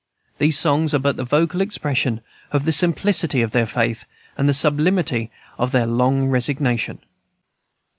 These songs are but the vocal expression of the simplicity of their faith and the sublimity of their long resignation.